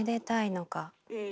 うん。